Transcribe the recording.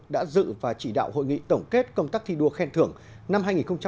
đã dự và chỉ đạo hội nghị tổng kết công tác thi đua khen thưởng năm hai nghìn một mươi chín